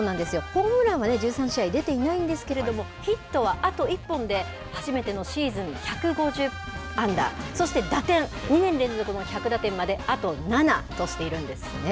ホームランはね、１３試合出ていないんですけれども、ヒットはあと１本で、初めてのシーズン１５０安打、そして打点、２年連続の１００打点まであと７としているんですね。